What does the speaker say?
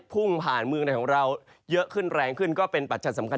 พุ่งผ่านเมืองในของเราเยอะขึ้นแรงขึ้นก็เป็นปัจจัยสำคัญ